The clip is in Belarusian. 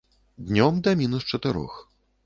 Днём да мінус чатырох.